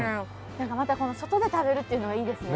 何かまた外で食べるっていうのがいいですね。